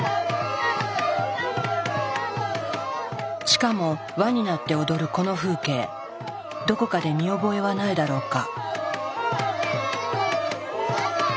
しかも輪になって踊るこの風景どこかで見覚えはないだろうか。